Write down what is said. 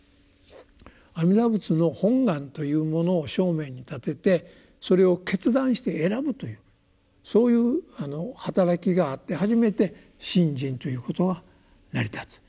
阿弥陀仏の本願というものを正面に立ててそれを決断して選ぶというそういう働きがあって初めて「信心」ということが成り立つ。